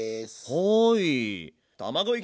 はい！